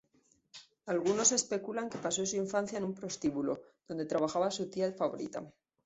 Algunos especulan que pasó su infancia en un prostíbulo, donde trabajaba su tía favorita.